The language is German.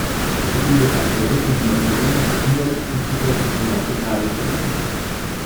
Es liefert aktuelle Informationen für umwelt- und sicherheitsrelevante Fragestellungen.